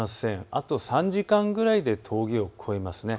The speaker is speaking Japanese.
あと３時間くらいで峠を越えます。